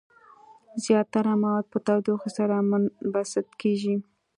زیاتره مواد په تودوخې سره منبسط کیږي.